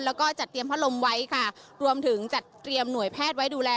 แล้วก็จัดเตรียมพัดลมไว้ค่ะรวมถึงจัดเตรียมหน่วยแพทย์ไว้ดูแล